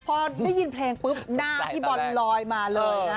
พอได้ยินเพลงปุ๊บหน้าพี่บอลลอยมาเลยนะ